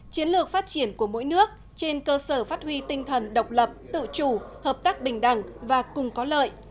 chiến lược phát triển của mỗi nước trên cơ sở phát huy tinh thần độc lập tự chủ hợp tác bình đẳng và cùng có lợi